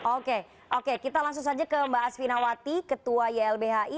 oke oke kita langsung saja ke mbak asvinawati ketua ylbhi